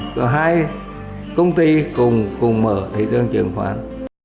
còn hai công ty cùng mở thị trường chứng khoán